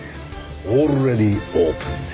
オールレディオープンだ。